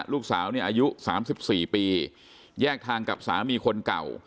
ลูกสาวเนี่ยอายุ๓๔ปีแยกทางกับสามีคนเก่า